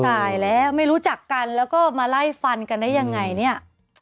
ตายแล้วไม่รู้จักกันแล้วก็มาไล่ฟันกันได้ยังไงเนี่ย